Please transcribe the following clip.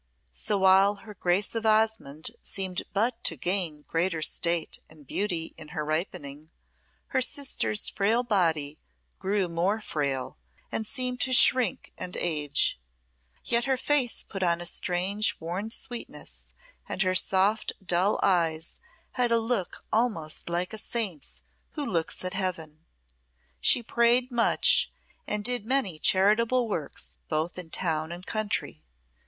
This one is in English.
So while her Grace of Osmonde seemed but to gain greater state and beauty in her ripening, her sister's frail body grew more frail, and seemed to shrink and age. Yet her face put on a strange worn sweetness, and her soft, dull eyes had a look almost like a saint's who looks at heaven. She prayed much, and did many charitable works both in town and country.